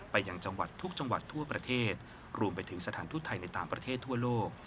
อย่างจังหวัดทุกจังหวัดทั่วประเทศรวมไปถึงสถานทูตไทยในต่างประเทศทั่วโลก